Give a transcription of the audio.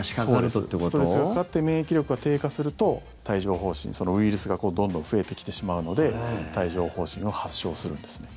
ストレスがかかって免疫力が低下すると帯状疱疹そのウイルスがどんどん増えてきてしまうので帯状疱疹を発症するんですね。